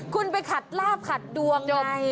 คุณไปขัดลาบขัดดวง